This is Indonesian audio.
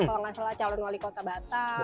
kalau nggak salah calon wali kota batam